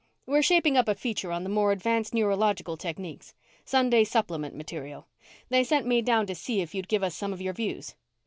"We're shaping up a feature on the more advanced neurological techniques Sunday supplement material. They sent me down to see if you'd give us some of your views."